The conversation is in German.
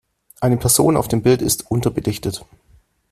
Eine Person auf dem Bild ist unterbelichtet.